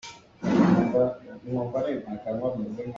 Bawlung vanpang i aa chawl hnuah a ka khen.